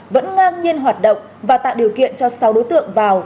vẫn ngang nhiên hoạt động và tạo điều kiện cho sáu đối tượng vào